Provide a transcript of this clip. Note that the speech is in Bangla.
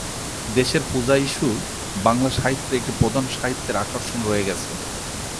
দেশের পূজা ইস্যু বাংলা সাহিত্যে একটি প্রধান সাহিত্যের আকর্ষণ রয়ে গেছে।